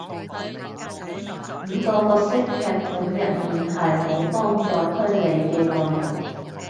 五個角色劇本入面係無幫助推理嘅內容